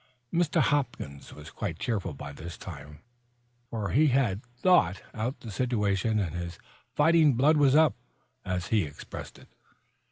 Mr. Hopkins was quite cheerful by this time, for he had thought out the situation and his "fighting blood was up," as he expressed it.